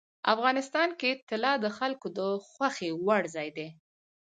افغانستان کې طلا د خلکو د خوښې وړ ځای دی.